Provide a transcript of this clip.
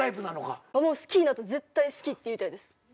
好きになったら絶対好きって言いたいです。